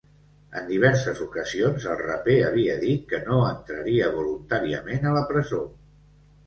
En diverses ocasions, el raper havia dit que no entraria voluntàriament a la presó.